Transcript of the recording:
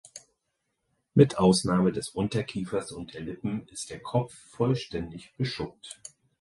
Mit Ausnahme des Unterkiefers und der Lippen ist der Kopf vollständig beschuppt.